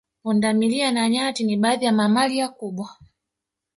Punda milia na nyati ni baadhi ya mamalia kubwa